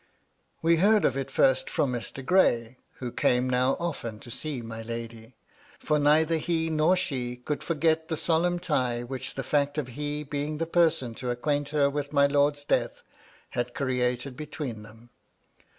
MY LADY LUDLOW. 313 We heard of it first from Mr. Gray, who came now often to see my lady, for neither he nor she could forget the solemn tie which the fact of his being the person to acquaint her with my lord's death had created between them.